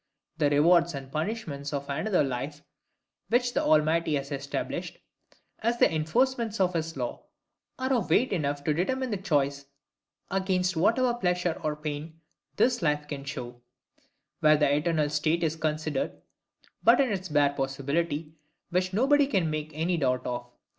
The rewards and punishments of another life which the Almighty has established, as the enforcements of his law, are of weight enough to determine the choice against whatever pleasure or pain this life can show, where the eternal state is considered but in its bare possibility which nobody can make any doubt of.